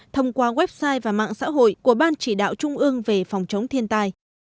thông qua website và mạng xã hội của ban chỉ đạo trung ương về phòng chống thiên tai